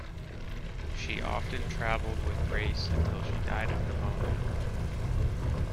She often traveled with Race until she died of pneumonia.